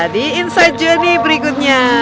di inside journey berikutnya